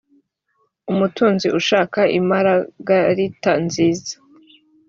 umutunzi ushaka imaragarita nziza